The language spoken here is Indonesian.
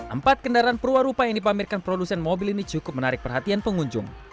empat kendaraan perwarupa yang dipamerkan produsen mobil ini cukup menarik perhatian pengunjung